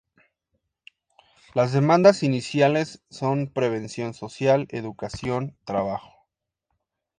Las demandas iniciales son previsión social, educación, trabajo.